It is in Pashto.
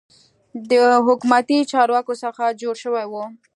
د حکومتي چارواکو څخه جوړه شوې وه.